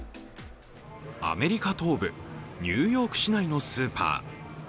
アメリカ東部ニューヨーク市内のスーパー。